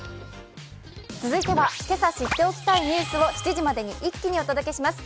続いては、けさ知っておきたいニュースを７時までに一気にお届けします。